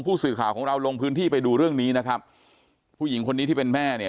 ผู้สื่อข่าวของเราลงพื้นที่ไปดูเรื่องนี้นะครับผู้หญิงคนนี้ที่เป็นแม่เนี่ย